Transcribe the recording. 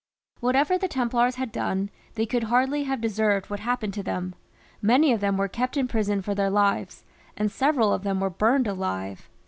Whatever the Templars had done, they could hardly have deserved what happened to them. Many of them were kept in prison for their lives, and several of them were burned alive.